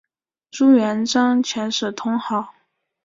朱元璋遣使通好。